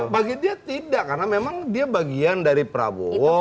bagi dia tidak karena memang dia bagian dari prabowo